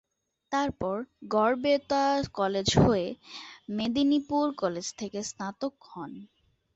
তারপর গড়বেতা কলেজ হয়ে, মেদিনীপুর কলেজ থেকে স্নাতক হন।